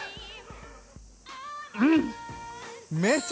うん！